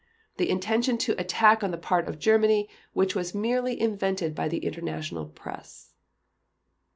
. The intention to attack on the part of Germany which was merely invented by the international press